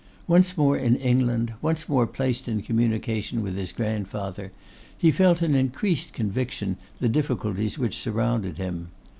Once more in England, once more placed in communication with his grandfather, he felt with increased conviction the difficulties which surrounded him.